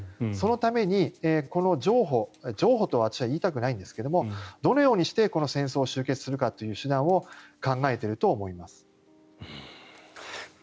そのために、この譲歩譲歩と私は言いたくないんですがどのようにしてこの戦争を終結化するかという手段を考えていると思います。